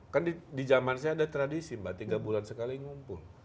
kan di zaman saya ada tradisi mbak tiga bulan sekali ngumpul